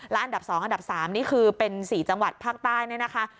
อันดับ๒อันดับ๓นี่คือเป็น๔จังหวัดภาคใต้เนี่ยนะคะ